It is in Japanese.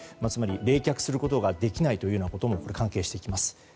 つまり冷却することができないということも関係してきます。